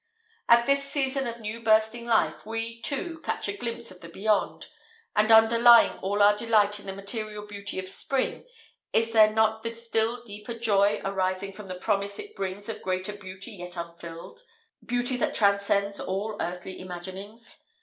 At this season of new bursting life we, too, catch a glimpse of the Beyond, and underlying all our delight in the material beauty of spring, is there not the still deeper joy arising from the promise it brings of greater beauty yet unfulfilled—beauty that transcends all earthly imaginings?